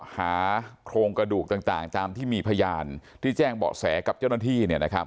หาโครงกระดูกต่างตามที่มีพยานที่แจ้งเบาะแสกับเจ้าหน้าที่